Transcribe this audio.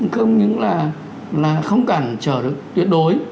không những là không cần chờ được tuyệt đối